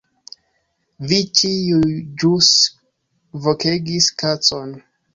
Vi ĉiuj ĵus vokegis "kacon"